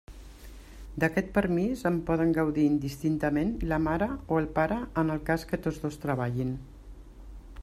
D'aquest permís en poden gaudir indistintament la mare o el pare en el cas que tots dos treballin.